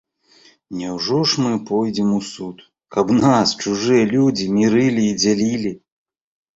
Няўжо ж мы пойдзем у суд, каб нас чужыя людзі мірылі і дзялілі?